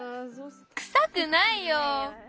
くさくないよ。